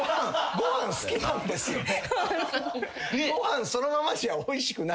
ご飯そのままじゃおいしくないみたい。